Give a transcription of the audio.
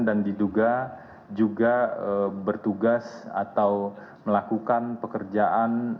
dan diduga juga bertugas atau melakukan pekerjaan